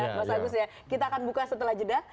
mas agus ya kita akan buka setelah jeda